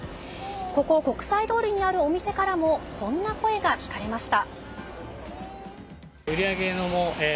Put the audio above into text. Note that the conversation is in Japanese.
ここ国際通りにあるお店からもこんな声が聞かれました。